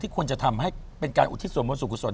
ที่ควรจะทำให้เป็นการอุทิศวรรมบรรถสูญกุศล